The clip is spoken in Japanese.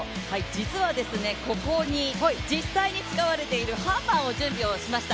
実はここに実際に使われているハンマーを準備しました。